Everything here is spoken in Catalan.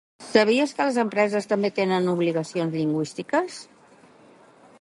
Sí, considere necessària l’existència d’un mitjà televisiu públic i imparcial.